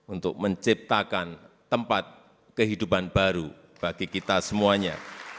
untuk menciptakan tempat kehidupan baru bagi kita semuanya